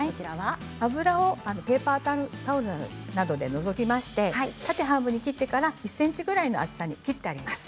油をペーパータオルで除きまして縦半分に切ってから１ｃｍぐらいの厚さに切ってあります。